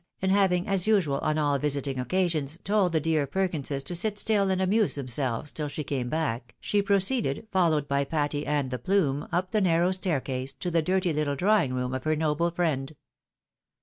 and having, as usual on all visiting occasions, told the dear Perkinses to sit stiU and amuse themselves till she came back, she proceeded, followed by Patty and the plume, up the narrow staircase, to the dirty httle drawing room of her noble friend.